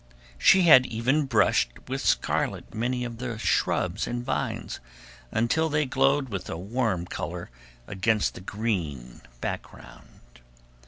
She had even brushed with scarlet many of the shrubs and vines, until they glowed with a warm color against the green background.